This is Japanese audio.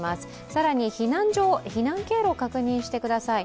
更に避難所、避難経路を確認してください。